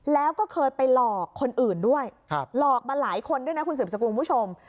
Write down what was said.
แล้วก็เคยไปหลอกคนอื่นด้วยหลอกมาหลายคนด้วยนะคุณสืบสกุลคุณผู้ชม